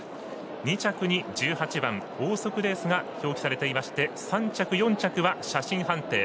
２着に１８番オーソクレースが表記されていまして３着、４着は写真判定。